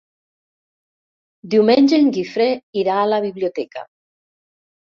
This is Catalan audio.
Diumenge en Guifré irà a la biblioteca.